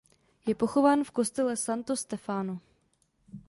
Je pochován v kostele "Santo Stefano".